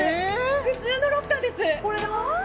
普通のロッカーです。